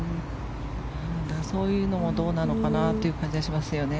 そういうのもどうなのかなという感じがしますよね。